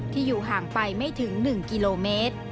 อยู่ห่างไปไม่ถึง๑กิโลเมตร